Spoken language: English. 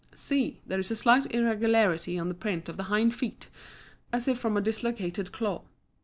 See! there is a slight irregularity on the print of the hind feet, as if from a dislocated claw.